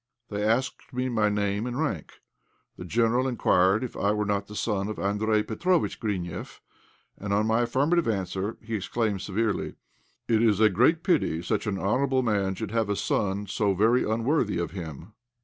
They asked me my name and rank. The General inquired if I were not the son of Andréj Petróvitch Grineff, and on my affirmative answer, he exclaimed, severely "It is a great pity such an honourable man should have a son so very unworthy of him!"